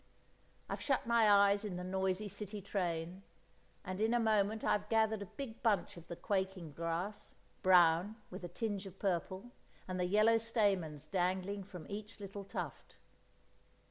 I've shut my eyes in the noisy City train, and in a moment I've gathered a big bunch of the quaking grass, brown, with a tinge of purple, and the yellow stamens dangling from each little tuft.